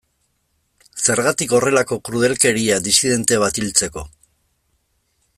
Zergatik horrelako krudelkeria disidente bat hiltzeko?